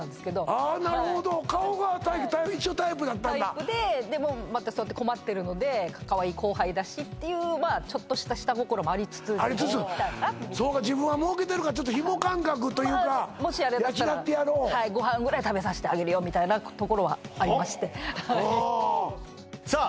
ああなるほど顔が一応タイプだったんだタイプでまたそうやって困ってるのでかわいい後輩だしっていうちょっとした下心もありつつありつつそうか自分は儲けてるからちょっとヒモ感覚というかもしあれだったらご飯ぐらい食べさせてあげるよみたいなところはありましてさあ